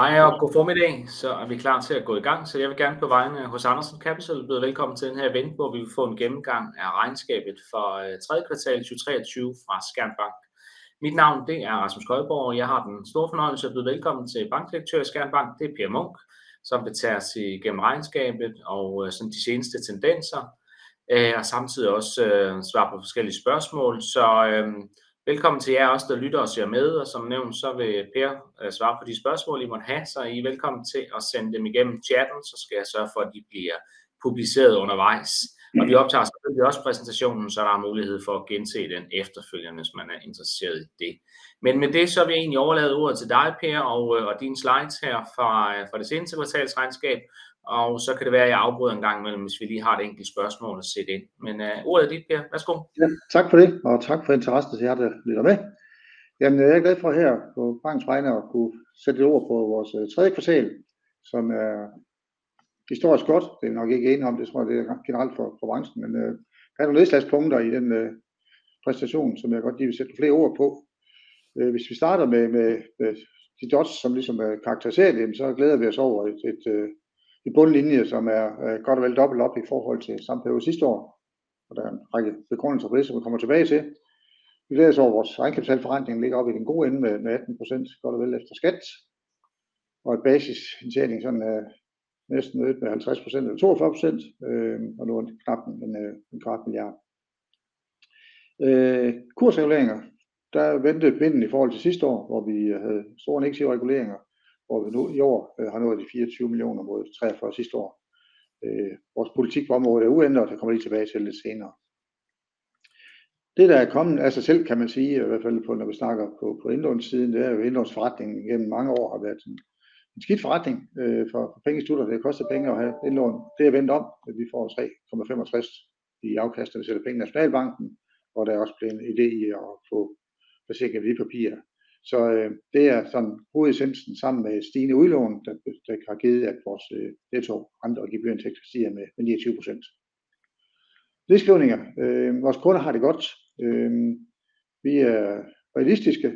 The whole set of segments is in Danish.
Hej og godformiddag, så er vi klar til at gå i gang. Jeg vil gerne på vegne af Hos Andersson Capital byde velkommen til den her event, hvor vi vil få en gennemgang af regnskabet for tredje kvartal 2023 fra Skjern Bank. Mit navn er Rasmus Højborg, og jeg har den store fornøjelse at byde velkommen til Bankdirektør i Skjern Bank. Det er Per Munk, som vil tage os igennem regnskabet og de seneste tendenser og samtidig også svare på forskellige spørgsmål. Velkommen til jer os, der lytter og ser med. Som nævnt, vil Per svare på de spørgsmål, I måtte have, så I er velkommen til at sende dem igennem chatten, så skal jeg sørge for, at de bliver publiceret undervejs. Vi optager selvfølgelig også præsentationen, så der er mulighed for at gense den efterfølgende, hvis man er interesseret i det. Men med det, så vil jeg overlade ordet til dig, Per, og dine slides her fra det seneste kvartalsregnskab. Og så kan det være, at jeg afbryder en gang imellem, hvis vi lige har et enkelt spørgsmål at sætte ind. Men ordet er dit, Per. Værsgo. Tak for det, og tak for interessen til jer, der lytter med. Jamen, jeg er glad for her på bankens vegne at kunne sætte lidt ord på vores tredje kvartal, som er historisk godt. Det er nok ikke enige om. Det er generelt for branchen, men der er nogle lyspunkter i den præstation, som jeg godt lige vil sætte flere ord på. Hvis vi starter med de dots, som ligesom karakteriserer det, så glæder vi os over en bundlinje, som er godt og vel dobbelt op i forhold til samme periode sidste år. Der er en række begrundelser, som vi kommer tilbage til. Vi glæder os over vores rente- og kapitalforrentning ligger oppe i den gode ende med 18% godt og vel efter skat og en basisindtjening på næsten nøjagtig 50% eller 42%. Nu knap en kvart milliard kursreguleringer. Der vendte pendulen i forhold til sidste år, hvor vi havde store negative reguleringer, hvor vi nu i år har nået de 24 millioner mod 43 sidste år. Vores politik på området er uændret, og det kommer jeg tilbage til lidt senere. Det, der er kommet af sig selv, kan man sige, i hvert fald når vi snakker på indlånssiden. Det er jo indlånsforrentningen igennem mange år har været en skidt forretning for pengeinstitutter. Det har kostet penge at have indlån. Det er vendt om. Vi får 3,56% i afkast, når vi sætter penge i Nationalbanken, og der er også blevet en idé i at få placeret nogle værdipapirer. Så det er sådan hovedessensen sammen med stigende udlån, der har givet, at vores nettorenter og gebyrindtægter stiger med 29%. Nedskrivninger. Vores kunder har det godt. Vi er realistiske.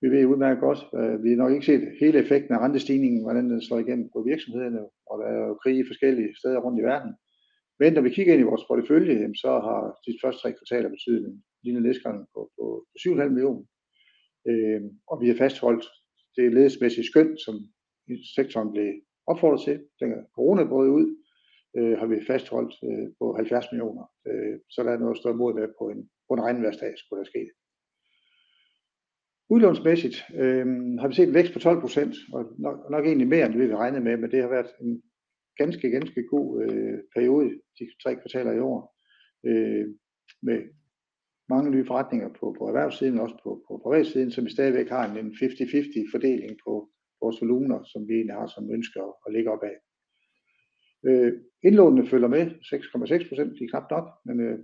Vi ved udmærket godt, at vi nok ikke set hele effekten af rentestigningen, og hvordan den slår igennem på virksomhederne. Der er krig forskellige steder rundt i verden. Men når vi kigger ind i vores portefølje, så har de første tre kvartaler betydet en lille nedskrivning på 7,5 millioner, og vi har fastholdt det ledelsesmæssige skøn, som sektoren blev opfordret til, da corona brød ud. Har vi fastholdt på 70 millioner, så der er noget at stå imod med. På en regnvarselsdag skulle der ske. Udlånsmæssigt har vi set en vækst på 12%, og nok egentlig mere, end vi havde regnet med. Men det har været en ganske, ganske god periode. De tre kvartaler i år med mange nye forretninger på erhvervssiden, men også på privatsiden, så vi stadigvæk har en fifty-fifty fordeling på vores voluminer, som vi egentlig har som ønske at ligge op ad. Indlånene følger med. 6,6%. Det er knapt nok,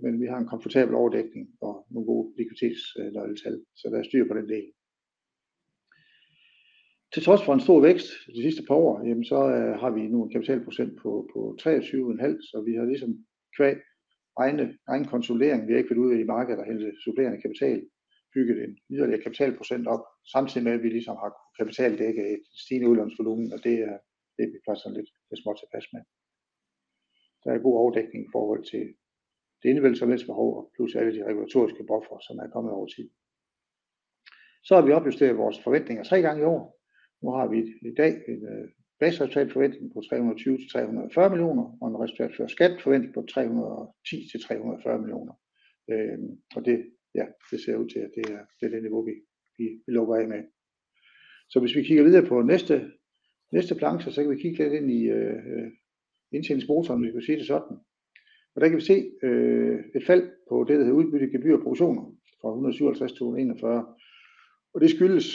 men vi har en komfortabel overdækning og nogle gode likviditetsnøgletal, så der er styr på den del. Til trods for en stor vækst de sidste par år, så har vi nu en kapitalprocent på 23,5%, så vi har ligesom qua egen konsolidering. Vi har ikke været ud i markedet og hente supplerende kapital, bygget en yderligere kapitalprocent op, samtidig med at vi ligesom har kapitaldækket en stigende udlånsvolumen. Og det er vi faktisk lidt småtilfreds med. Der er god overdækning i forhold til det individuelle behov plus alle de regulatoriske buffere, som er kommet over tid. Har vi opjusteret vores forventninger tre gange i år. Nu har vi i dag en basisresultatforventning på 320 til 340 millioner og en resultat før skat forventning på 310 til 340 millioner. Og det ser ud til, at det er det niveau, vi lukker af med. Hvis vi kigger videre på næste planche, så kan vi kigge lidt ind i indtjeningsmotoren, hvis vi siger det sådan, og der kan vi se et fald på det, der hedder udbytte, gebyrer og provisioner fra 157 til 141, og det skyldes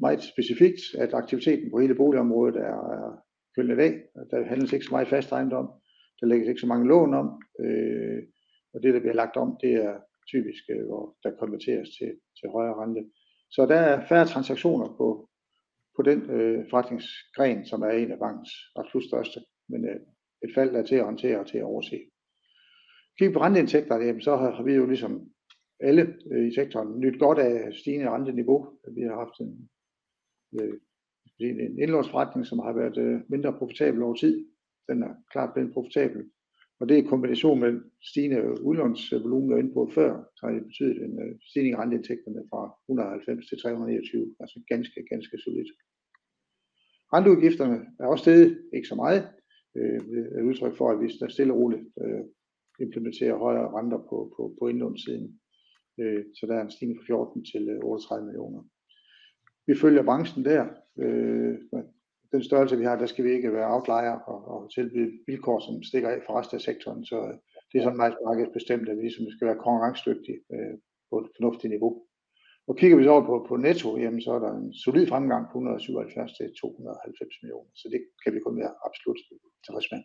meget specifikt, at aktiviteten på hele boligområdet er kølnet af. Der handles ikke så meget fast ejendom. Der lægges ikke så mange lån om, og det, der bliver lagt om, det er typisk, hvor der konverteres til højere rente, så der er færre transaktioner på den forretningsgren, som er en af bankens absolut største. Men et fald er til at håndtere og til at overse. Kigger vi på renteindtægter, så har vi ligesom alle i sektoren nydt godt af stigende renteniveau. Vi har haft en indlånsforrentning, som har været mindre profitabel over tid. Den er klart blevet profitabel, og det i kombination med den stigende udlånsvolumen, jeg var inde på før, har betydet en stigning i renteindtægterne fra 190 til 321. Altså ganske, ganske solidt. Renteudgifterne er også steget. Ikke så meget. Et udtryk for, at vi stille og roligt implementerer højere renter på indlånssiden, så der er en stigning fra 14 til 38 millioner. Vi følger branchen der. Med den størrelse, vi har, der skal vi ikke være aflejrer og tilbyde vilkår, som stikker af fra resten af sektoren. Så det er sådan meget markedsbestemt, at vi skal være konkurrencedygtig på et fornuftigt niveau. Kigger vi så over på netto, så er der en solid fremgang på 177 til 290 millioner, så det kan vi kun være absolut tilfreds med.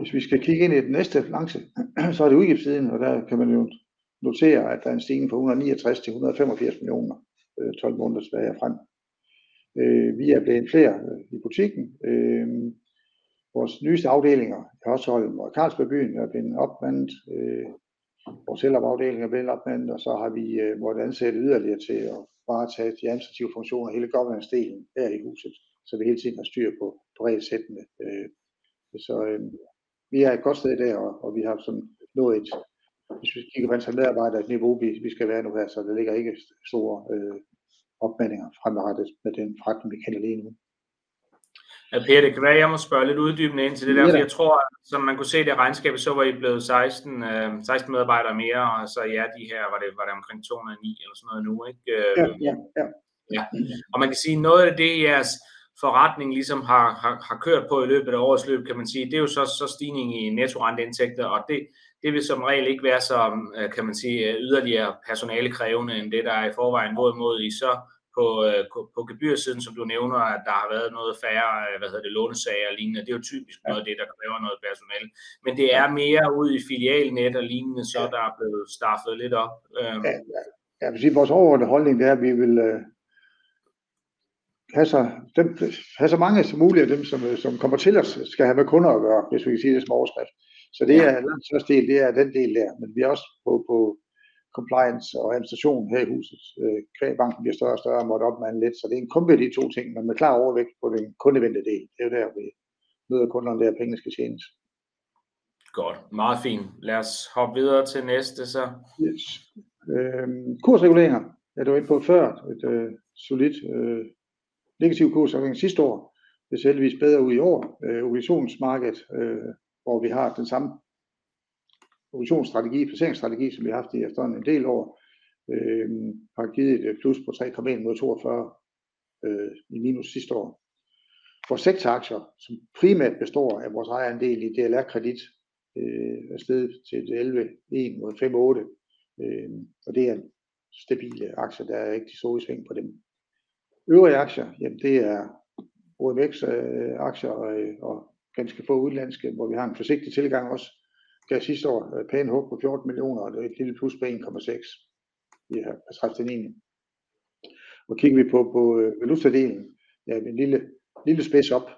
Hvis vi skal kigge ind i den næste planche, så er det udgiftssiden, og der kan man jo notere, at der er en stigning fra 193 til 185 millioner tolv måneder tilbage og frem. Vi er blevet flere i butikken. Vores nyeste afdelinger i Hørsholm og Carlsberg Byen er blevet opmandet. Vores selvom afdelinger bliver opmannet, og så har vi måttet ansætte yderligere til at varetage de administrative funktioner og hele governance delen her i huset, så vi hele tiden har styr på repsættene. Så vi er et godt sted der, og vi har sådan nået et, hvis vi kigger på antal medarbejdere, et niveau vi skal være nu. Så der ligger ikke store opmandinger fremadrettet med den forretning, vi kender lige nu. Ja, Peter, kan jeg må spørge lidt uddybende ind til det der? Jeg tror, at som man kunne se det regnskab, vi så, var I blevet seksten, seksten medarbejdere mere. Og så ja, de her var det. Var det omkring to hundrede og ni eller sådan noget nu, ikke? Ja, ja. Ja, og man kan sige, at noget af det, jeres forretning ligesom har kørt på i løbet af årets løb, kan man sige, det er jo så stigningen i nettorenteindtægter, og det vil som regel ikke være så, kan man sige, yderligere personalekrævende end det, der er i forvejen. Hvorimod I så på gebyrsiden, som du nævner, at der har været noget færre lånesager og lignende. Det er jo typisk noget af det, der kræver noget personale, men det er mere ude i filialnettet og lignende, så der er blevet stafferet lidt op. Ja, jeg vil sige, at vores overordnede holdning er, at vi vil have så mange som muligt af dem, som kommer til os, skal have med kunder at gøre. Hvis vi kan sige det som overskrift, så det er den største del. Det er den del der. Men vi er også på compliance og administration her i huset. Når banken bliver større og større og må bemande lidt, så det er en kombi af de to ting, men med klar overvægt på den kundevendte del. Det er jo der, vi møder kunderne, der hvor pengene skal tjenes. Godt. Meget fint. Lad os hoppe videre til næste så. Ja, kursreguleringer. Ja, det var vi inde på før. Et solidt negativt kursafkast sidste år. Det ser heldigvis bedre ud i år. Obligationsmarkedet, hvor vi har den samme obligationsstrategi og placeringsstrategi, som vi har haft i efterhånden en del år, har givet et plus på 3,1% mod 24% i minus sidste år. Vores seks aktier, som primært består af vores ejerandel i DLR Kredit, er steget til 11,1% mod 5,8%, og det er en stabil aktie. Der er ikke de store svingninger på dem. Øvrige aktier, det er OMXC aktier og ganske få udenlandske, hvor vi har en forsigtig tilgang også. Gav sidste år pænt hug på 14 millioner og et lille plus på 1,6%. Det her pr. 30.9. Kigger vi på valutadelen, en lille spids op.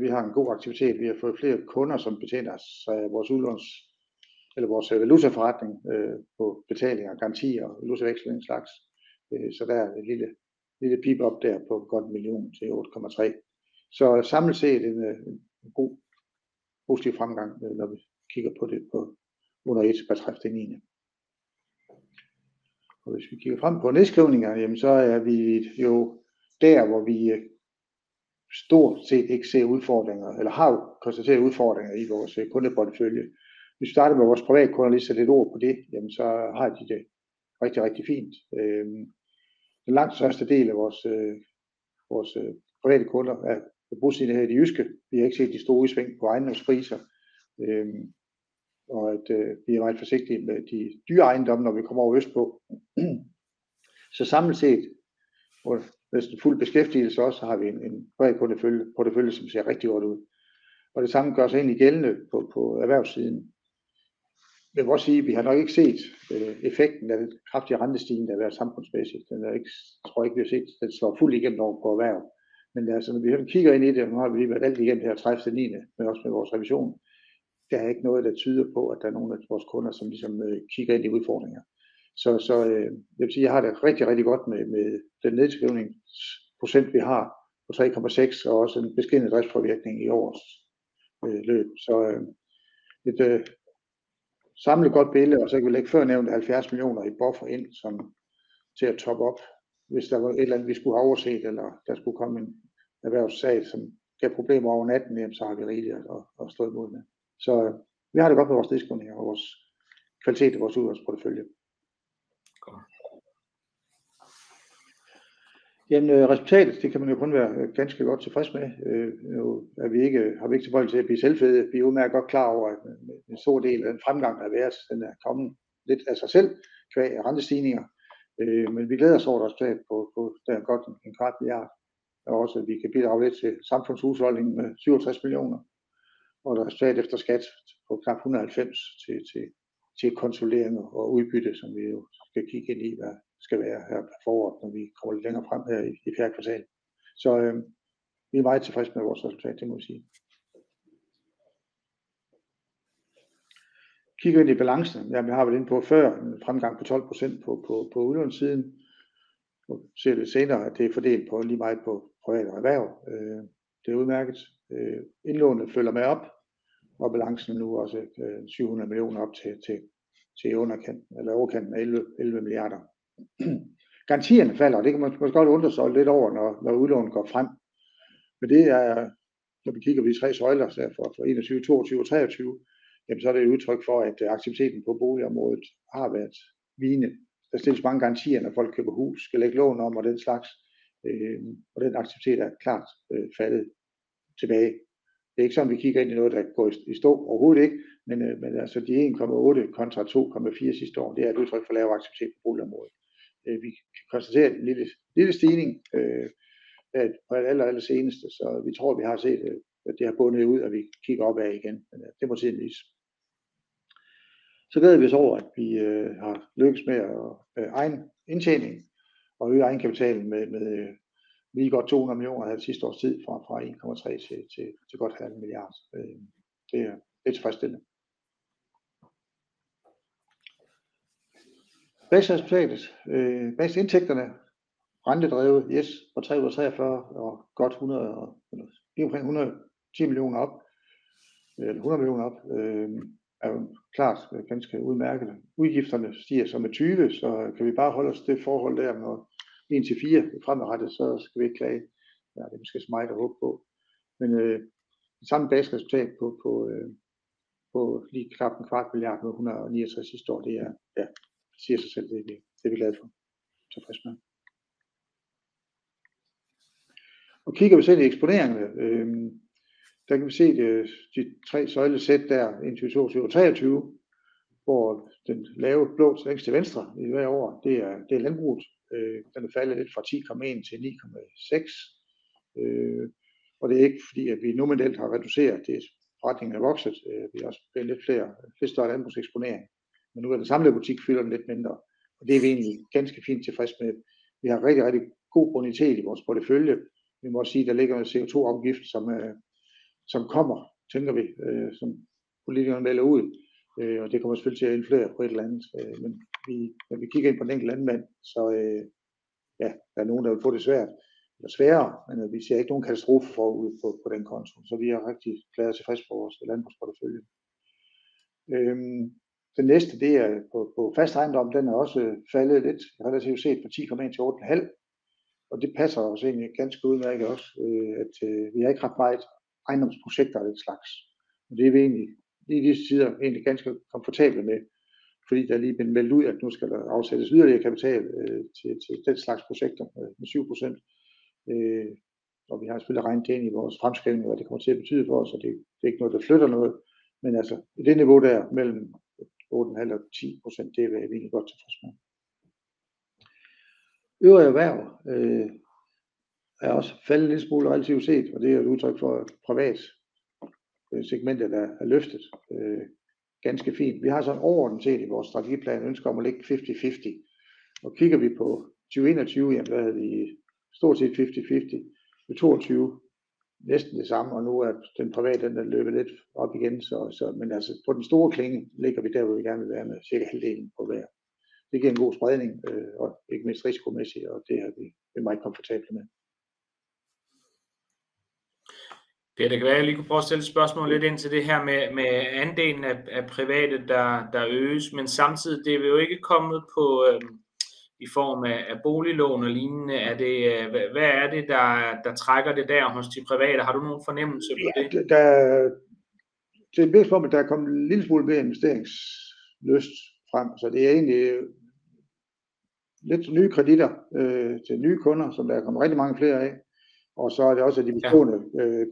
Vi har en god aktivitet. Vi har fået flere kunder, som betjener sig af vores udlåns eller vores valutaforretning på betalinger og garantier, valutaveksling og den slags. Så der er et lille pip op der på godt en million til 8,3. Så samlet set en god positiv fremgang, når vi kigger på det under et pr. 30.9. Hvis vi kigger frem på nedskrivninger, jamen så er vi jo der, hvor vi stort set ikke ser udfordringer eller har konstateret udfordringer i vores kundeportefølje. Vi starter med vores privatkunder. Lige sætte lidt ord på det, jamen så har de det rigtig, rigtig fint. Den langt største del af vores private kunder er bosiddende her i det jyske. Vi har ikke set de store sving på ejendomspriser, og vi er meget forsigtige med de dyre ejendomme, når vi kommer over østpå. Samlet set med fuld beskæftigelse har vi en bred portefølje, som ser rigtig godt ud, og det samme gør sig gældende på erhvervssiden. Jeg vil også sige, at vi har nok ikke set effekten af den kraftige rentestigning, der har været samfundsbaseret. Den er ikke. Tror ikke vi har set den slå fuldt igennem på erhverv, men når vi kigger ind i det, og nu har vi været alt igennem her 30.9, men også med vores revision, der er ikke noget, der tyder på, at der er nogen af vores kunder, som ligesom kigger ind i udfordringer. Jeg vil sige, jeg har det rigtig, rigtig godt med den nedskrivningsprocent, vi har på 3,6% og også en beskeden driftspåvirkning i årets løb. Et samlet godt billede. Og så kan vi lægge førnævnte 70 millioner i buffer ind som til at toppe op, hvis der var et eller andet, vi skulle have overset, eller der skulle komme en erhvervssag, som gav problemer over natten. Jamen, så har vi rigeligt at stå imod med. Så vi har det godt med vores risikohåndtering og vores kvalitet i vores udlånsportefølje. Godt. Jamen resultatet, det kan man jo kun være ganske godt tilfreds med. Nu er vi ikke, har vi ikke tilbøjelighed til at blive selvfede. Vi er udmærket godt klar over, at en stor del af den fremgang, der har været, den er kommet lidt af sig selv qua rentestigninger. Men vi glæder os over resultatet på den godt en kvart milliard, og også at vi kan bidrage lidt til samfundshusholdningen med 67 millioner og et resultat efter skat på knap 190 til konsolidering og udbytte, som vi skal kigge ind i, hvad skal være her på foråret, når vi kommer lidt længere frem her i fjerde kvartal. Så vi er meget tilfredse med vores resultat. Det må vi sige. Kigger vi ind i balancen, jamen, det har vi været inde på før. En fremgang på 12% på udlånssiden. Nu ser vi senere, at det er fordelt på lige meget på privat og erhverv. Det er udmærket. Indlånet følger med op, og balancen er nu også 700 millioner op til underkant eller overkanten af 11 milliarder. Garantierne falder, og det kan man godt undre sig lidt over, når udlånet går frem. Men det er, når vi kigger i de tre søjler for 21, 22 og 23, jamen så er det et udtryk for, at aktiviteten på boligområdet har været vigende. Der stilles mange garantier, når folk køber hus, skal lægge lån om og den slags, og den aktivitet er klart faldet tilbage. Det er ikke sådan, at vi kigger ind i noget, der er gået i stå. Overhovedet ikke. Men de 1,8 kontra 2,4 sidste år, det er et udtryk for lavere aktivitet på boligområdet. Vi konstaterer en lille, lille stigning på det aller, aller seneste, så vi tror vi har set, at det har bundet ud, og vi kigger opad igen. Men det må tiden vise. Så glæder vi os over, at vi har lykkedes med at øge indtjening og øge egenkapitalen med lige godt 200 millioner her det sidste års tid fra 1,3 til godt en halv milliard. Det er tilfredsstillende. Baseret resultatet, baseret indtægterne rentedrevet, yes, fra 343 og godt 100 og lige omkring 110 millioner op eller 100 millioner op er jo klart ganske udmærket. Udgifterne stiger så med 20, så kan vi bare holde os til det forhold der med en til fire fremadrettet, så skal vi ikke klage. Ja, det er måske smagt at håbe på, men det samme basisresultat på lige knap en kvart milliard mod 129 sidste år. Det er ja, det siger sig selv. Det er vi glade for. Tilfreds med. Kigger vi så lidt eksponeringerne, der kan vi se, at de tre søjlesæt der 2022, 2023, hvor den lave blå længst til venstre i hvert år, det er landbruget. Den er faldet lidt fra 10,1 til 9,6. Det er ikke, fordi vi nominelt har reduceret, det forretningen er vokset. Vi er også blevet lidt flere, lidt større landbrugseksponering, men nu er den samlede butik fylder den lidt mindre, og det er vi egentlig ganske fint tilfreds med. Vi har rigtig, rigtig god bonitet i vores portefølje. Vi må også sige, at der ligger en CO2-afgift, som kommer, tænker vi, som politikerne melder ud. Det kommer selvfølgelig til at influere på et eller andet. Men når vi kigger ind på den enkelte landmand, så ja, der er nogen, der vil få det svært eller sværere. Men vi ser ikke nogen katastrofe forude på den konto, så vi er rigtig glade og tilfredse med vores landbrugsportefølje. Den næste, det er på fast ejendom. Den er også faldet lidt relativt set fra 10,1% til 8,5%, og det passer os egentlig ganske udmærket også, at vi har ikke ret meget ejendomsprojekter og den slags, og det er vi egentlig i disse tider egentlig ganske komfortable med, fordi der lige er blevet meldt ud, at nu skal der afsættes yderligere kapital til den slags projekter med 7%. Vi har selvfølgelig regnet det ind i vores fremskrivning, og det kommer til at betyde for os, og det er ikke noget, der flytter noget. Men det niveau der mellem 8,5% og 10%, det er vi egentlig godt tilfredse med. Øvrig erhverv er også faldet en lille smule relativt set, og det er et udtryk for, at privat segmentet er løftet ganske fint. Vi har sådan overordnet set i vores strategiplan ønsket om at ligge fifty-fifty. Kigger vi på 2021, jamen hvad havde vi stort set fifty-fifty. I 2022 næsten det samme. Nu er den private løbet lidt op igen. Men på den store klinge ligger vi der, hvor vi gerne vil være med cirka halvdelen på hver. Det giver en god spredning og ikke mindst risikomæssigt. Det er vi meget komfortable med. Per, det kan være, jeg lige kunne forestille et spørgsmål lidt ind til det her med andelen af private, der øges, men samtidig det er jo ikke kommet på i form af boliglån og lignende. Er det? Hvad er det, der trækker det der hos de private? Har du nogen fornemmelse for det? Det er mest fordi der er kommet en lille smule mere investeringslyst frem, så det er egentlig lidt nye kreditter til nye kunder, som der er kommet rigtig mange flere af. Og så er det også, at de bestående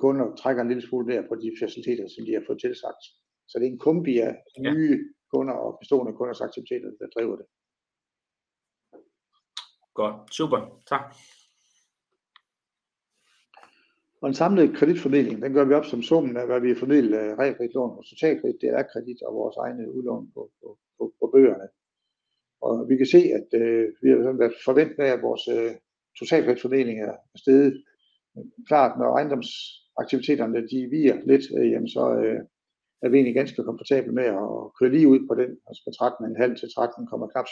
kunder trækker en lille smule mere på de faciliteter, som de har fået tilsagt. Så det er en kombi af nye kunder og bestående kunders aktiviteter, der driver det. Godt. Super. Tak! Og den samlede kreditfordeling, den gør vi op som summen af hvad vi har fordelt af realkreditlån og totalkredit. Det er kredit og vores egne udlån på bøgerne. Vi kan se, at vi har været forventet med at vores totalkreditfordeling er steget. Klart, når ejendomsaktiviteterne viger lidt, jamen så er vi egentlig ganske komfortable med at køre lige ud på den og så 13,5 til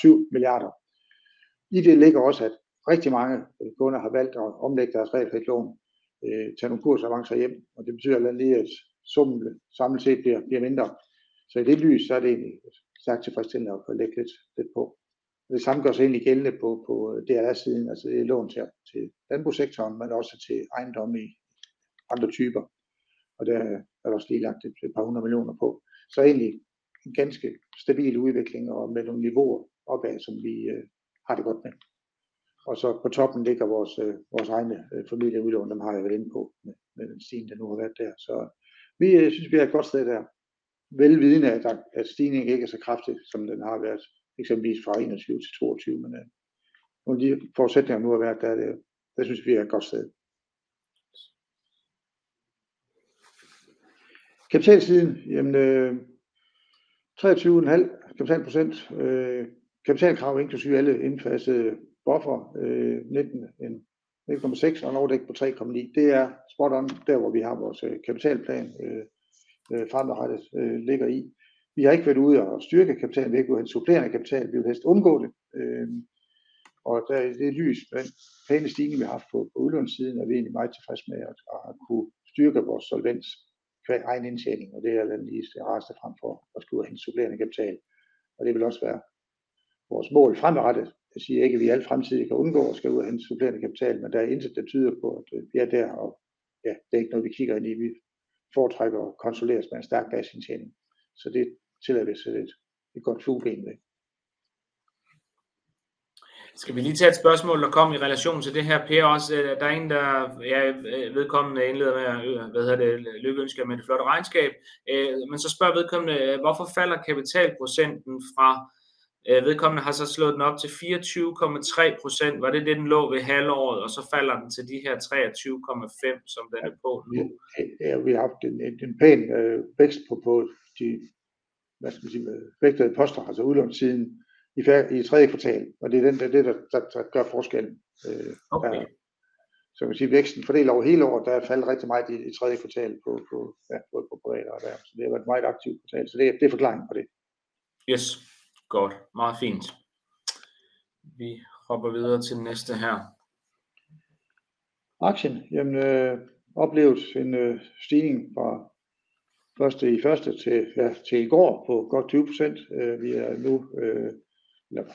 13,7 milliarder. I det ligger også, at rigtig mange kunder har valgt at omlægge deres realkreditlån, tage nogle kursavancer hjem, og det betyder bare lige at summen samlet set bliver mindre. Så i det lys er det egentlig stærkt tilfredsstillende at kunne lægge lidt på. Det samme gør sig egentlig gældende på DR-siden, altså lån til landbrugssektoren, men også til ejendomme i andre typer. Der er der også lige lagt et par hundrede millioner på. Så egentlig en ganske stabil udvikling og med nogle niveauer opad, som vi har det godt med. På toppen ligger vores egne familieudlån. Dem har jeg været inde på med den stigning, der nu har været der, så vi synes, vi er et godt sted der. Vel vidende at stigningen ikke er så kraftig, som den har været eksempelvis fra 21 til 22. Men under de forudsætninger nu har været der, synes vi, at vi er et godt sted. Kapitalsiden. 23,5% kapitalprocent. Kapitalkrav inklusiv alle indfasede buffer 19,6% og en overdækning på 3,9%. Det er spot on. Der hvor vi har vores kapitalplan fremadrettet ligger i. Vi har ikke været ude og styrke kapitalen. Vi har ikke hentet supplerende kapital. Vi vil helst undgå det, og i det lys den pæne stigning vi har haft på udlånssiden, er vi egentlig meget tilfreds med at have kunnet styrke vores solvens qua egen indtjening. Det er lige det rareste frem for at skulle have supplerende kapital, og det vil også være vores mål fremadrettet. Det siger ikke, at vi i al fremtid kan undgå at skulle ud og hente supplerende kapital, men der er intet, der tyder på, at vi er der. Ja, det er ikke noget, vi kigger ind i. Vi foretrækker at konsolideres med en stærk basisindtjening, så det tillader vi os et godt fugleperspektiv egentlig. Skal vi lige tage et spørgsmål, der kom i relation til det her, Per? Også der er en, der ja, vedkommende indleder med, hvad hedder det? Lykønsker med det flotte regnskab, men så spørger vedkommende: Hvorfor falder kapitalprocenten fra? Vedkommende har så slået den op til 24,3%. Var det det, den lå ved halvåret, og så falder den til de her 23,5%, som den er på nu? Ja, vi har haft en pæn vækst på de, hvad skal man sige, vægtede poster altså udlånssiden i tredje kvartal, og det er det, der gør forskellen. Okay. Man kan sige, at væksten fordelt over hele året, der er faldet rigtig meget i tredje kvartal på både privat og erhverv. Det har været et meget aktivt kvartal, så det er forklaringen på det. Yes, godt. Meget fint. Vi hopper videre til næste her. Aktien har oplevet en stigning fra første til i går på godt 20%. Vi er nu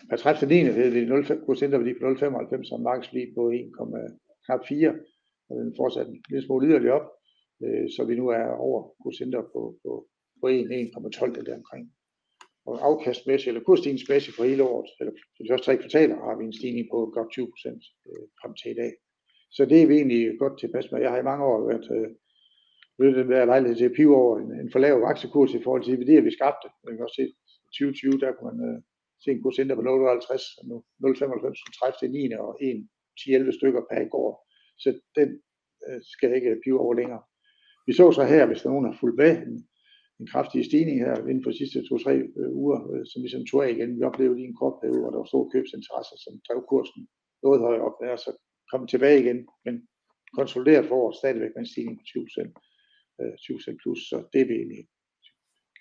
per 30/9 nået en indre værdi på 0,95 og markedsværdi på knap 1,4, og den fortsatte en lille smule yderligere op, så vi nu er over kursindeks på 1,12 eller deromkring. Afkastmæssigt eller kursstigningsmæssigt for hele året eller de første tre kvartaler har vi en stigning på godt 20% frem til i dag, så det er vi egentlig godt tilpas med. Jeg har i mange år været nødt til at være ved lejlighed til at pibe over en for lav aktiekurs i forhold til det, vi skabte. Man kan også se i 2020, der kunne man se en kursindex på 0,50, og nu 0,95 og 39 og 10, 11 stykker per i går, så den skal jeg ikke pibe over længere. Vi så her, hvis nogen har fulgt med i den kraftige stigning her inden for de sidste to, tre uger, som vi så tog af igen. Vi oplevede i en kort periode, hvor der var stor købsinteresse, som drev kursen noget højere op. Det er så kommet tilbage igen, men konsolideret for året stadigvæk med en stigning på 20%, 20%+, så det er vi egentlig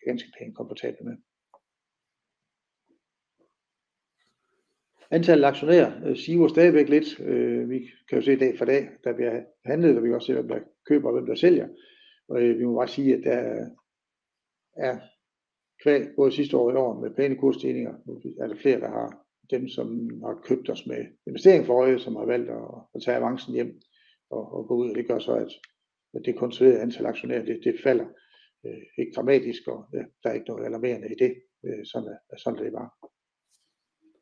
ganske pænt komfortable med. Antallet af aktionærer siver stadigvæk lidt. Vi kan jo se dag for dag, der bliver handlet, og vi kan også se, hvem der køber, og hvem der sælger. Og vi må bare sige, at der er qua både sidste år og i år med pæne kursstigninger, er der flere, der har dem, som har købt os med investering for øje, som har valgt at tage avancen hjem og gå ud. Og det gør så, at det konsoliderede antal aktionærer, det falder. Ikke dramatisk, og der er ikke noget alarmerende i det. Sådan er det bare.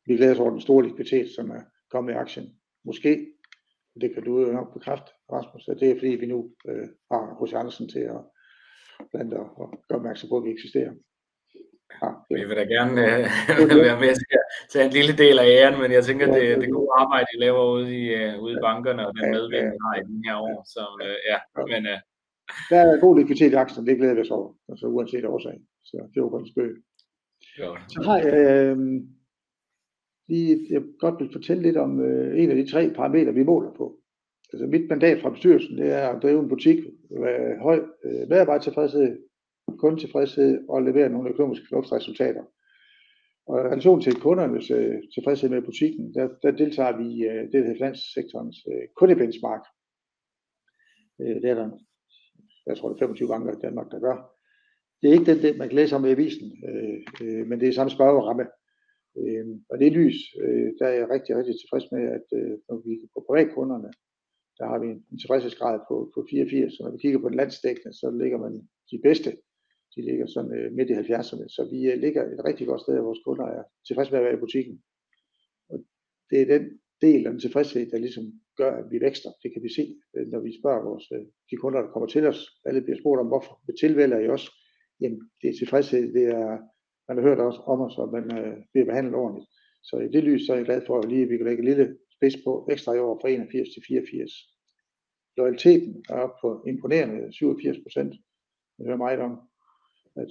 Vi glæder os over den store likviditet, som er kommet i aktien. Måske kan du jo nok bekræfte, Rasmus, at det er, fordi vi nu har Nordea og Andersen til at blandt andet gøre opmærksom på, at vi eksisterer. Jeg vil da gerne være med til at tage en lille del af æren, men jeg tænker, at det er det gode arbejde, I laver ude i bankerne og den medvind, vi har i de her år. Så ja, men. Der er god likviditet i aktien. Det glæder vi os over. Altså uanset årsagen. Så det var godt spøgt. Ja. Har jeg lige, jeg godt vil fortælle lidt om en af de tre parametre, vi måler på. Mit mandat fra bestyrelsen, det er at drive en butik med høj medarbejdertilfredshed, kundetilfredshed og levere nogle økonomiske flotte resultater. Og i relation til kundernes tilfredshed med butikken, der deltager vi i det, der hedder Finanssektorens Kundeindex Mark. Det er der, jeg tror, det er femogtyve banker i Danmark, der gør. Det er ikke den, man kan læse om i avisen, men det er samme spørgeramme. Og i det lys, der er jeg rigtig, rigtig tilfreds med, at når vi på privatkunderne, der har vi en tilfredshedsgrad på fireogfirs. Når vi kigger på den landsdækkende, så ligger man de bedste. De ligger sådan midt i halvfjerdserne, så vi ligger et rigtig godt sted, og vores kunder er tilfredse med at være i butikken. Og det er den del af den tilfredshed, der ligesom gør, at vi vækster. Det kan vi se, når vi spørger vores de kunder, der kommer til os. Alle bliver spurgt om, hvorfor vælger I os? Jamen, det er tilfredshed. Det er, man har hørt om os, og man bliver behandlet ordentligt. Så i det lys er jeg glad for, at vi lige kan lægge et lille spids på ekstra i år fra 81% til 84%. Loyaliteten er oppe på imponerende 87%. Man hører meget om, at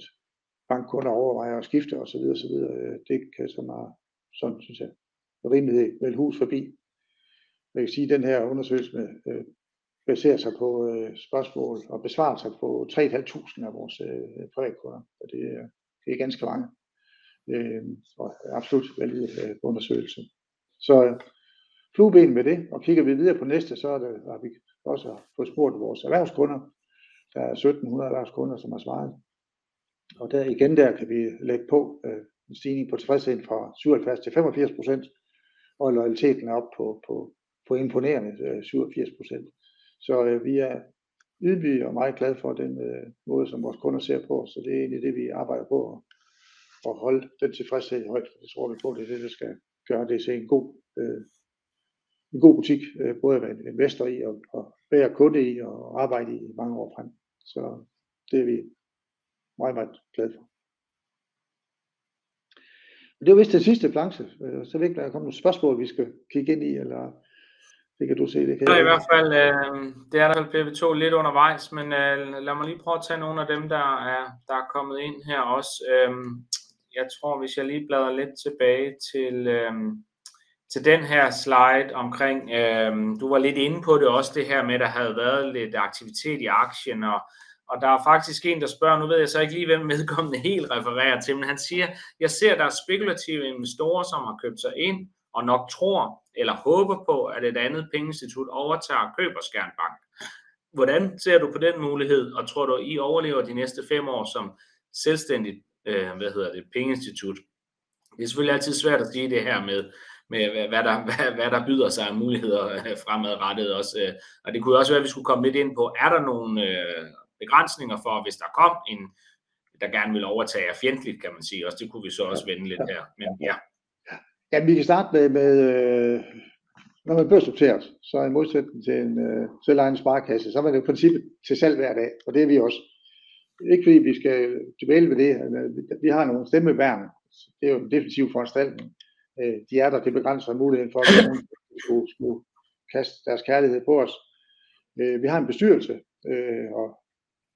bankkunder overvejer at skifte og så videre og så videre. Det kan så meget, sådan synes jeg, rimeligt vel hus forbi. Jeg kan sige, at den her undersøgelse baserer sig på spørgsmål og besvarelser på tre et halvt tusinde af vores privatkunder, og det er ganske mange og absolut værdigt undersøgelse. Så flueben ved det. Og kigger vi videre på næste, så er det, hvor vi også har fået spurgt vores erhvervskunder. Der er 1.700 erhvervskunder, som har svaret, og der igen, der kan vi lægge på en stigning på tilfredsheden fra 77% til 85%, og loyaliteten er oppe på imponerende 78%. Så vi er ydmyge og meget glade for den måde, som vores kunder ser på. Så det er egentlig det, vi arbejder på at holde den tilfredshed højt. Det tror vi på. Det er det, der skal gøre DC en god butik både at være investor i og være kunde i og arbejde i mange år frem. Så det er vi meget, meget glade for. Det var vist den sidste planche. Så ved ikke, om der er kommet nogle spørgsmål, vi skal kigge ind i, eller det kan du se. Det kan i hvert fald. Det er der vel blevet to lidt undervejs, men lad mig lige prøve at tage nogle af dem, der er kommet ind her også. Jeg tror, hvis jeg lige bladrer lidt tilbage til den her slide omkring... Du var lidt inde på det også, det her med at der havde været lidt aktivitet i aktien, og der er faktisk en der spørger. Nu ved jeg så ikke lige hvem vedkommende helt refererer til, men han siger: Jeg ser der er spekulative investorer som har købt sig ind og nok tror eller håber på at et andet pengeinstitut overtager og køber Skjern Bank. Hvordan ser du på den mulighed? Og tror du I overlever de næste fem år som selvstændigt pengeinstitut? Det er selvfølgelig altid svært at sige det her med hvad der byder sig af muligheder fremadrettet også. Og det kunne jo også være, at vi skulle komme lidt ind på, er der nogle begrænsninger for, hvis der kom en, der gerne ville overtage jer fjendtligt, kan man sige. Det kunne vi så også vende lidt her. Men ja. Vi kan starte med, når man børsnoteres, så i modsætning til en selvejende sparekasse, så er man i princippet til salg hver dag, og det er vi også. Det er ikke fordi vi skal dvæle ved det. Vi har nogle stemmeværn. Det er jo en defensiv foranstaltning. De er der. Det begrænser muligheden for, at nogen skulle kaste deres kærlighed på os. Vi har en bestyrelse og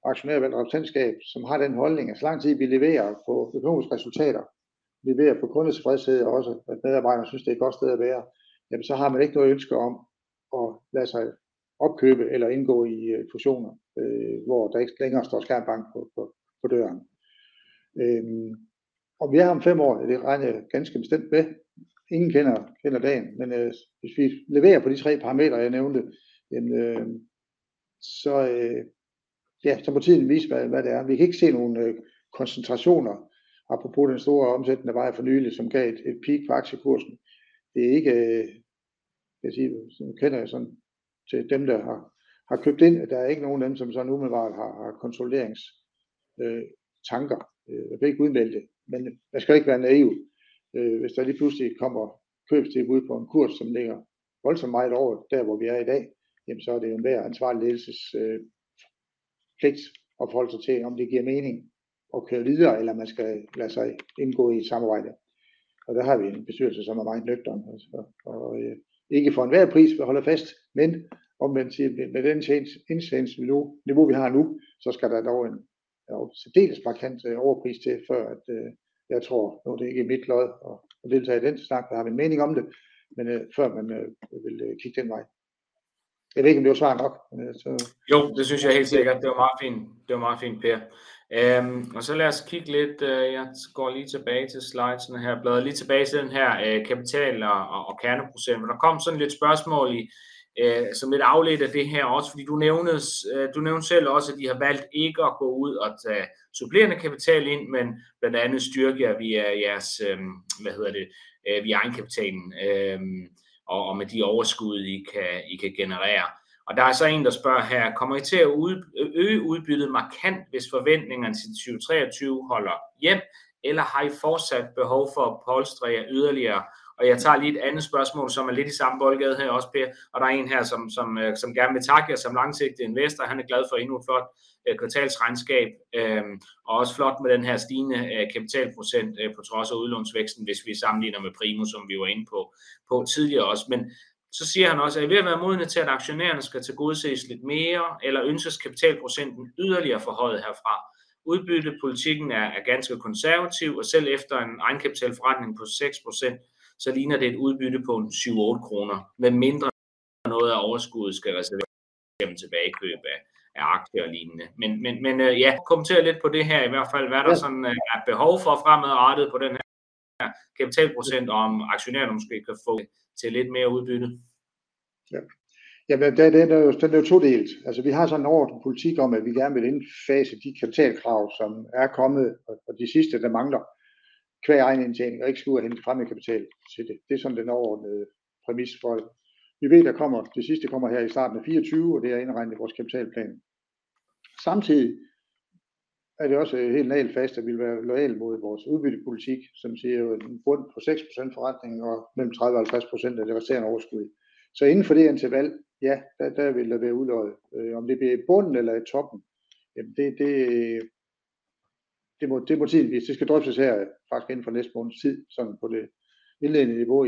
aktionærrepræsentantskab, som har den holdning, at så lang tid vi leverer på økonomiske resultater, leverer på kundetilfredshed og også at medarbejderne synes, det er et godt sted at være, så har man ikke noget ønske om at lade sig opkøbe eller indgå i fusioner, hvor der ikke længere står Skjern Bank på døren. Om vi er her om fem år? Det regner jeg ganske bestemt med. Ingen kender dagen, men hvis vi leverer på de tre parametre, jeg nævnte, jamen så ja, så må tiden vise, hvad det er. Vi kan ikke se nogen koncentrationer. Apropos den store omsættende ordre for nylig, som gav et peak for aktiekursen. Det kender jeg sådan til dem, der har købt ind, at der er ikke nogen af dem, som sådan umiddelbart har konsolideringstanker. Jeg ved ikke udmeldte, men man skal ikke være naiv, hvis der lige pludselig kommer købstilbud på en kurs, som ligger voldsomt meget over der, hvor vi er i dag, jamen så er det jo enhver ansvarlig ledelses pligt at forholde sig til, om det giver mening at køre videre, eller om man skal lade sig indgå i et samarbejde. Og der har vi en bestyrelse, som er meget nøgtern og ikke for enhver pris vil holde fast, men omvendt med den indtjening, vi nu niveau vi har nu, så skal der dog en særdeles markant overpris til, før at jeg tror, det ikke er mit lod at deltage i den snak. Der har min mening om det. Men før man vil kigge den vej. Jeg ved ikke, om det var svar nok? Jo, det synes jeg helt sikkert. Det var meget fint. Det var meget fint, Per. Så lad os kigge lidt. Jeg går lige tilbage til slidesene her. Bladr lige tilbage til den her kapital og kerneprocent. Der kom sådan lidt spørgsmål i som lidt afledt af det her også, fordi du nævnte. Du nævnte selv også, at I har valgt ikke at gå ud og tage supplerende kapital ind, men blandt andet styrke jer via jeres. Hvad hedder det? Via egenkapitalen og med de overskud, I kan generere. Der er så en, der spørger her: Kommer I til at øge udbyttet markant, hvis forventningerne til 2023 holder hjem? Eller har I fortsat behov for at polstre jer yderligere? Jeg tager lige et andet spørgsmål, som er lidt i samme boldgade her også, Per. Og der er en her, som gerne vil takke jer som langsigtet investor. Han er glad for endnu et flot kvartalsregnskab og også flot med den her stigende kapitalprocent på trods af udlånsvæksten. Hvis vi sammenligner med Primo, som vi var inde på tidligere også. Men så siger han også: Er I ved at være modne til, at aktionærerne skal tilgodeses lidt mere, eller ønskes kapitalprocenten yderligere forhøjet herfra? Udbyttepolitikken er ganske konservativ, og selv efter en egenkapitalforrentning på 6%, så ligner det et udbytte på en 7-8 kroner. Medmindre noget af overskuddet skal reserveres gennem tilbagekøb af aktier og lignende. Men ja, kommenter lidt på det her i hvert fald. Hvad er der behov for fremadrettet på den her kapitalprocent? Om aktionærerne måske kan få lidt mere udbytte? Ja, men den er jo todelt. Altså, vi har sådan en overordnet politik om, at vi gerne vil indfase de kapitalkrav, som er kommet, og de sidste, der mangler qua egen indtjening og ikke skulle hente fremmed kapital til det. Det er sådan den overordnede præmis for det. Vi ved, der kommer det sidste kommer her i starten af 24, og det er indregnet i vores kapitalplan. Samtidig er det også helt naglet fast, at vi vil være loyal mod vores udbyttepolitik, som siger en bund på 6% forretning og mellem 30% og 50% af det resterende overskud. Så inden for det interval, ja, der vil der være udløjet. Om det bliver i bunden eller i toppen, det må tiden vise. Det skal drysses her faktisk inden for næste måneds tid. Sådan på det indledende niveau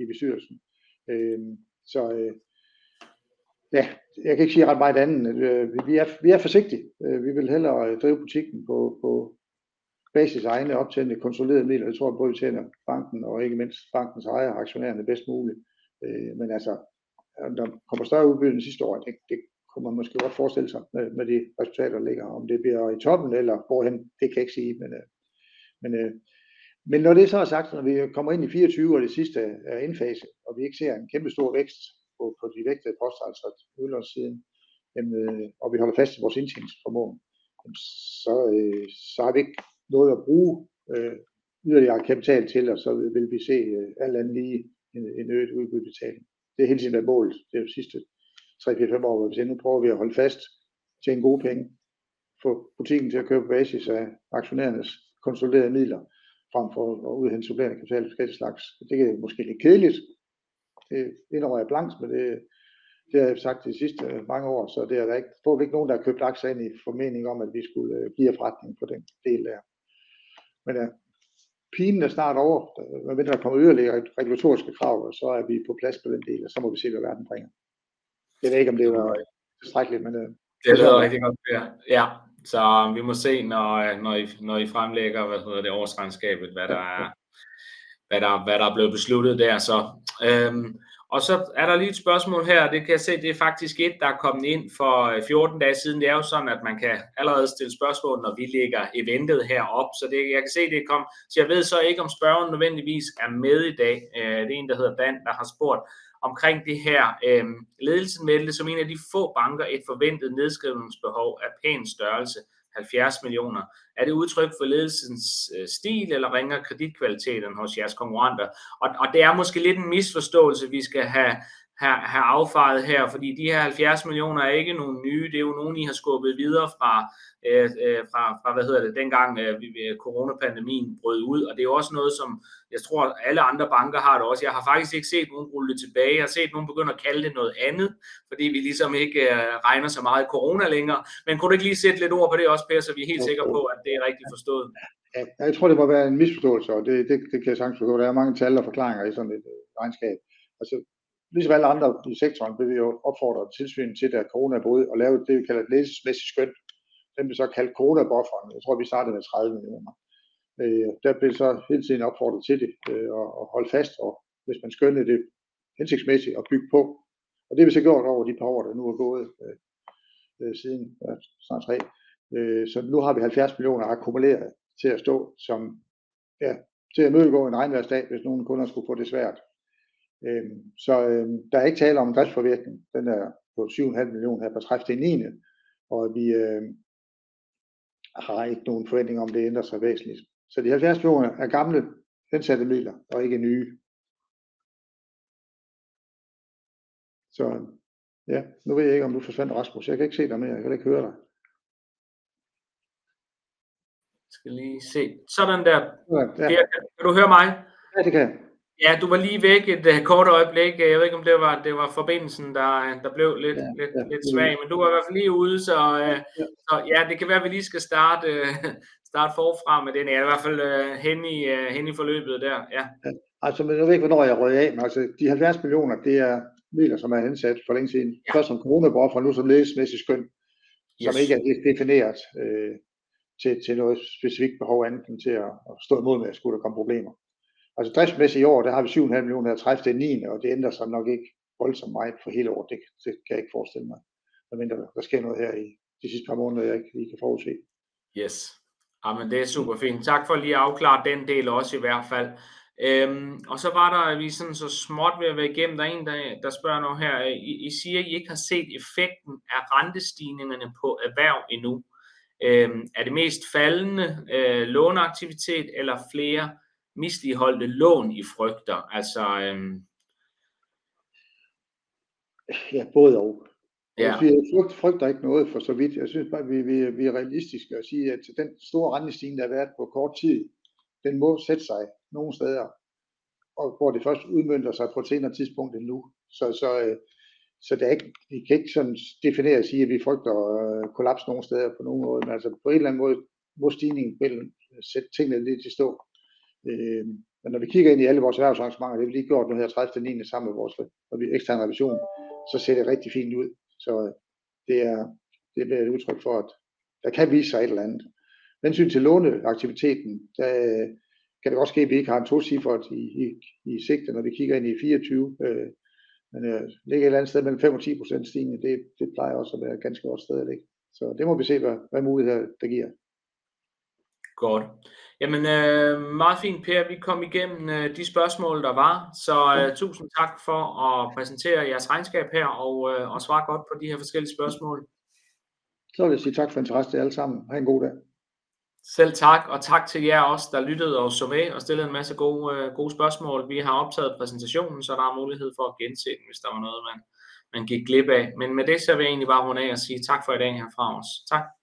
i bestyrelsen. Ja, jeg kan ikke sige ret meget andet. Vi er forsigtige. Vi vil hellere drive butikken på basis af egne optjente konsoliderede midler. Jeg tror, at både tjener banken og ikke mindst bankens ejere og aktionærerne bedst muligt. Men der kommer større udbytte end sidste år. Det kunne man måske godt forestille sig med de resultater, der ligger. Om det bliver i toppen eller hvorhen, det kan jeg ikke sige. Men når det er sagt, når vi kommer ind i 24 og det sidste er indfaset, og vi ikke ser en kæmpestor vækst på de vægtede poster, udlånssiden, og vi holder fast i vores indtjeningsformåen, har vi ikke noget at bruge yderligere kapital til, og så vil vi se alt andet lige en øget udbyttebetaling. Det har hele tiden været målet de sidste tre, fire, fem år, hvor vi nu prøver vi at holde fast. Tjene gode penge. Få butikken til at køre på basis af aktionærernes konsoliderede midler frem for at udhente supplerende kapital af forskellig slags. Det er måske lidt kedeligt. Det er lidt noget jeg blankt, men det har jeg sagt de sidste mange år, så det er der ikke. Forhåbentlig ikke nogen der har købt aktier ind i formening om, at vi skulle geare forretningen på den del der. Men pinen er snart ovre. Medmindre der kommer yderligere regulatoriske krav, og så er vi på plads med den del, og så må vi se, hvad verden bringer. Jeg ved ikke, om det var tilstrækkeligt, men... Det lyder rigtig godt. Ja, så vi må se når I fremlægger årsregnskabet, hvad der er blevet besluttet der. Så er der lige et spørgsmål her, det kan jeg se. Det er faktisk et, der er kommet ind for fjorten dage siden. Det er jo sådan, at man kan allerede stille spørgsmål, når vi lægger eventet her op, så jeg kan se, det er kommet. Så jeg ved ikke, om spørgeren nødvendigvis er med i dag. Det er en, der hedder Dan, der har spurgt omkring det her. Ledelsen meldte som en af de få banker et forventet nedskrivningsbehov af pæn størrelse, 70 millioner. Er det udtryk for ledelsens stil, eller vinker kreditkvaliteten hos jeres konkurrenter? Det er måske lidt en misforståelse, vi skal have affejet her. Fordi de her 70 millioner er ikke nogle nye. Det er jo nogen, I har skubbet videre fra, fra, hvad hedder det, dengang coronapandemien brød ud. Og det er også noget, som jeg tror, alle andre banker har det også. Jeg har faktisk ikke set nogen rulle det tilbage. Jeg har set nogen begynde at kalde det noget andet, fordi vi ligesom ikke regner så meget corona længere. Men kunne du ikke lige sætte lidt ord på det også, Per? Så er vi helt sikker på, at det er rigtigt forstået. Ja, jeg tror, det må være en misforståelse, og det kan jeg sagtens forstå. Der er mange tal og forklaringer i sådan et regnskab. Ligesom alle andre i sektoren blev vi jo opfordret af tilsynet til, da corona brød ud, at lave det, vi kalder et ledelsesmæssigt skøn. Den blev så kaldt coronabufferen. Jeg tror, vi startede med 30 millioner. Der blev vi så hele tiden opfordret til det og at holde fast, og hvis man skønnede det hensigtsmæssigt at bygge på. Og det har vi så gjort over de par år, der nu er gået siden, snart tre. Så nu har vi 70 millioner akkumuleret til at stå som, ja, til at imødegå en regnvejrsdag, hvis nogle kunder skulle få det svært. Så der er ikke tale om en driftsforvirkning. Den er på 7,5 millioner her pr. 30.9. Og vi har ikke nogen forventning om, at det ændrer sig væsentligt. Så de 70 millioner er gamle hensatte midler og ikke nye. Så ja, nu ved jeg ikke, om du forsvandt, Rasmus. Jeg kan ikke se dig mere. Jeg kan ikke høre dig. Jeg skal lige se. Sådan der! Kan du høre mig? Ja, det kan jeg. Ja, du var lige væk et kort øjeblik. Jeg ved ikke, om det var forbindelsen, der blev lidt svag, men du var i hvert fald lige ude, så ja, det kan være, vi lige skal starte forfra med den. Jeg er i hvert fald henne i forløbet der. Ja. Altså, nu ved jeg ikke, hvornår jeg røg af, men de halvfjerds millioner, det er midler, som er hensat for længe siden, først som coronabuffer og nu som ledelsesmæssigt skøn, som ikke er defineret til noget specifikt behov andet end til at stå imod, hvis der skulle komme problemer. Driftsmæssigt i år, der har vi syv en halv million pr. 30.9., og det ændrer sig nok ikke voldsomt meget for hele året. Det kan jeg ikke forestille mig, medmindre der sker noget her i de sidste par måneder, jeg ikke lige kan forudse. Ja, men det er super fint. Tak for lige at afklare den del også i hvert fald. Og så var der, vi er sådan så småt ved at være igennem, der er en der spørger noget her. I siger at I ikke har set effekten af rentestigningerne på erhverv endnu. Er det mest faldende låneaktivitet eller flere misligholdte lån I frygter? Ja, både og. Vi frygter ikke noget for så vidt. Jeg synes bare, vi er realistiske og sige, at den store rentestigning, der har været på kort tid, den må sætte sig nogle steder, og hvor det først udmønter sig på et senere tidspunkt end nu. Det er ikke, vi kan ikke sådan definere og sige, at vi frygter kollaps nogen steder på nogen måde. Men altså på en eller anden måde må stigningen sætte tingene lidt i stå. Men når vi kigger ind i alle vores erhvervsarrangementer, det har vi lige gjort nu her 30.9. sammen med vores eksterne revision, så ser det rigtig fint ud. Det er da et udtryk for, at der kan vise sig et eller andet. Hensyn til låneaktiviteten, der kan det godt ske, at vi ikke har en tocifret i sigte, når vi kigger ind i '24. Men det ligger et eller andet sted mellem 5% og 10% stigning. Det plejer også at være et ganske godt sted at ligge, så det må vi se, hvad mulighederne der giver. Godt. Jamen meget fint, Per. Vi kom igennem de spørgsmål, der var, så tusind tak for at præsentere jeres regnskab her og svare godt på de her forskellige spørgsmål. Så vil jeg sige tak for interessen til jer alle sammen. Ha' en god dag! Selv tak og tak til jer også, der lyttede og så med og stillede en masse gode, gode spørgsmål. Vi har optaget præsentationen, så der er mulighed for at gense den, hvis der var noget, man gik glip af. Men med det, så vil jeg egentlig bare runde af og sige tak for i dag herfra os. Tak. Tak.